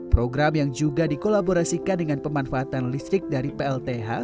program yang juga dikolaborasikan dengan pemanfaatan listrik dari plth